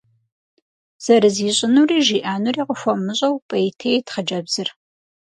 Зэрызищӏынури жиӏэнури къыхуэмыщӏэу, пӏейтейт хъыджэбзыр.